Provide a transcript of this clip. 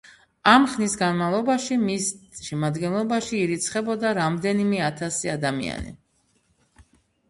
ამ ხნის განმავლობაში მის შემადგენლობაში ირიცხებოდა რამდენიმე ათასი ადამიანი.